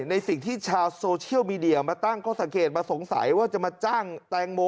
ในสิ่งที่ชาวโซเชียลมีเดียมาตั้งข้อสังเกตมาสงสัยว่าจะมาจ้างแตงโม